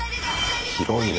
広いね。